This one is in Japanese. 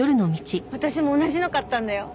私も同じの買ったんだよ。